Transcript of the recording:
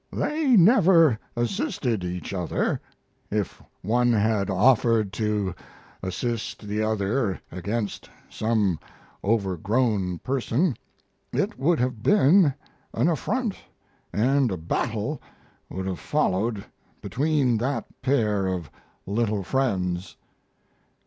"They never assisted each other. If one had offered to assist the other against some overgrown person, it would have been an affront, and a battle would have followed between that pair of little friends."